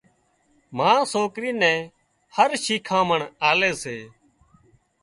ما سوڪري نين هر شيکانمڻ آلي سي